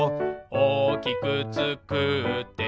「おおきくつくって」